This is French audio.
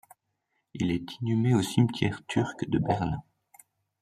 Il est inhumé au cimetière turc de Berlin.